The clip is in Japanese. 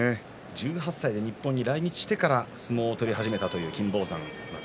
１８歳で日本に来日してから相撲を取り始めたという金峰山です。